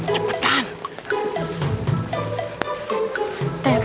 tapi eh tenang bang tenang